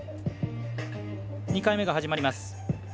２回目が始まります。